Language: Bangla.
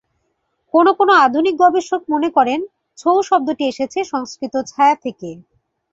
কোনো কোনো আধুনিক গবেষক মনে করেন, ছৌ শব্দটি এসেছে সংস্কৃত ছায়া থেকে।